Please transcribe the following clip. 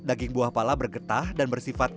daging buah pala bergetah dan bersifat